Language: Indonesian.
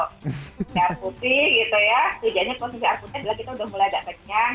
tidak putih gitu ya sejajarnya kalau tidak putih kita sudah mulai agak penyang